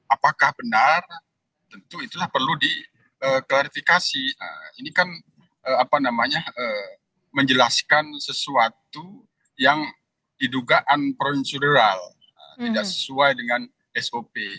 apakah benar tentu itulah perlu diklarifikasi ini kan apa namanya menjelaskan sesuatu yang diduga unproinsuderal tidak sesuai dengan sop